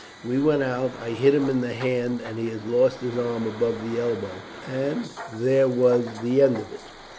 We went out. I hit him in the hand, and he lost his arm above the elbow, and there was the end of it."